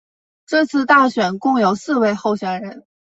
这次大选共有四位候选人。